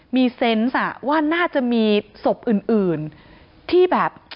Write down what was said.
มีเซนต์ว่าน่าจะมีศพอื่นที่แบบ